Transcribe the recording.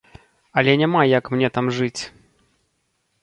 Але няма як мне там жыць.